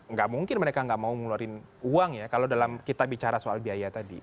nggak mungkin mereka nggak mau ngeluarin uang ya kalau dalam kita bicara soal biaya tadi